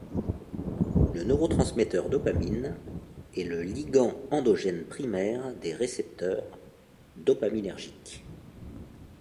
Le neurotransmetteur dopamine est le ligand endogène primaire des récepteurs dopaminergiques.